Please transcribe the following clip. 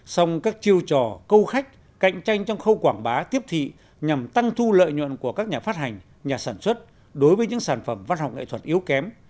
song các chiêu trò câu khách cạnh tranh trong khâu quảng bá tiếp thị nhằm tăng thu lợi nhuận của các nhà phát hành nhà sản xuất đối với những sản phẩm văn học nghệ thuật yếu kém